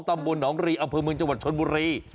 ตำบลหนองรีอำเภอเมืองจังหวัดชนบุรี